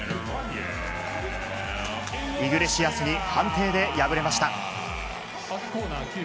イグレシアスに判定で敗れました。